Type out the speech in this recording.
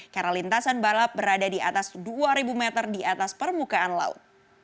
karena lintasan balap berada di atas dua ribu meter di atas permukaan laut